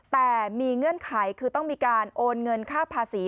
แต่มีเงื่อนไขคือต้องมีการโอนเงินค่าภาษี